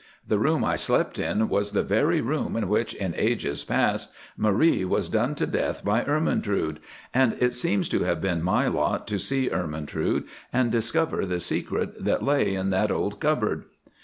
The room I slept in was the very room in which in ages past, Marie was done to death by Ermentrude, and it seems to have been my lot to see Ermentrude and discover the secret that lay in that old cupboard."